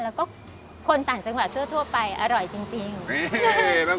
แล้วก็คนต่างจังหวัดทั่วไปอร่อยจริง